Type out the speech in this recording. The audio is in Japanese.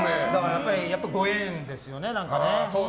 やっぱりご縁ですよね。